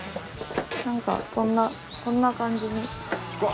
なんかこんなこんな感じに。